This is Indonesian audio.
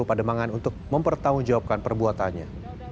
pademangan untuk mempertanggungjawabkan perbuatannya